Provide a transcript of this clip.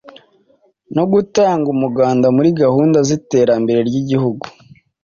no gutanga umuganda muri gahunda z’iterambere ry’igihugu